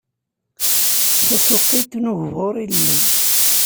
Tasuqilt n ugbur ilelli